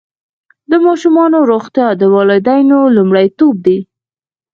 د ماشومانو روغتیا د والدینو لومړیتوب دی.